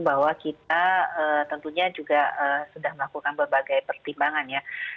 bahwa kita tentunya juga sudah melakukan berbagai pertimbangan ya